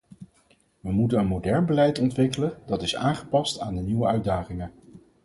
We moeten een modern beleid ontwikkelen, dat is aangepast aan de nieuwe uitdagingen.